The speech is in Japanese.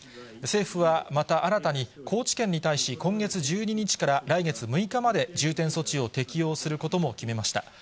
政府はまた新たに、高知県に対し、今月１２日から来月６日まで重点措置を適用することも決めました。